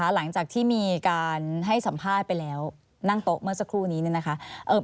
หลังจากที่มีการให้สัมภาษณ์ไปแล้วนั่งโต๊ะเมื่อสักครู่นี้เนี่ยนะคะ